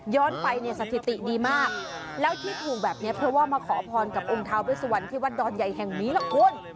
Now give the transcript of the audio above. ไปเนี่ยสถิติดีมากแล้วที่ถูกแบบนี้เพราะว่ามาขอพรกับองค์ทาเวสวันที่วัดดอนใหญ่แห่งนี้ล่ะคุณ